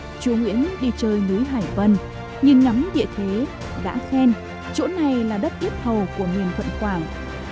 năm một nghìn sáu trăm linh bốn chúa nguyễn đi chơi núi hải vân nhìn ngắm địa thế đã khen chỗ này là đất tiết hầu của miền thuận quảng